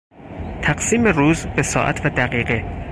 تقسیم روز به ساعت و دقیقه